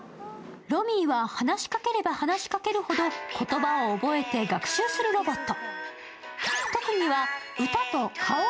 ロミィは話しかければ話しかけるほど言葉を覚えて学習するロボット。